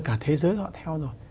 cả thế giới họ theo rồi